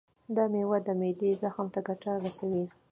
دا میوه د معدې زخم ته ګټه رسوي.